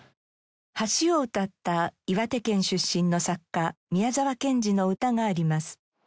橋を歌った岩手県出身の作家宮澤賢治の詩があります。